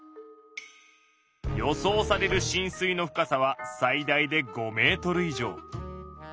予想されるしん水の深さは最大で５メートル以上。